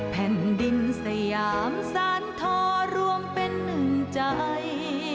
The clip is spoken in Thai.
แผ่นดินสยามสานทอรวมเป็นหนึ่งใจ